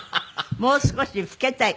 もう少し老けたい。